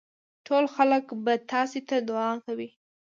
ټول خلک به تاسي ته دعا کوي.